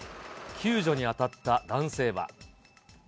救助に当たった男性は。